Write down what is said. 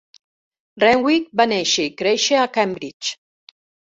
Renwick va néixer i créixer a Cambridge.